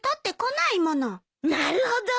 なるほど。